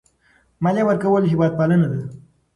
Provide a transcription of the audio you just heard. مالیه ورکول هېوادپالنه ده.